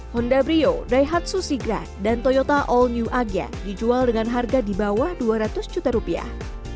honda brio daihatsu sigra dan toyota all new agya dijual dengan harga di bawah dua ratus juta rupiah